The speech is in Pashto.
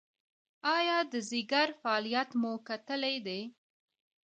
ایا د ځیګر فعالیت مو کتلی دی؟